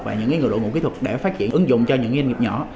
và những người đội ngũ kỹ thuật để phát triển ứng dụng cho những doanh nghiệp nhỏ